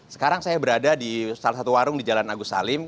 sekarang saya berada di salah satu warung di jalan agus salim